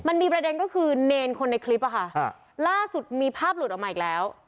มันมีประเด็นก็คือเนรคนในคลิปอะค่ะล่าสุดมีภาพหลุดออกมาอีกแล้ว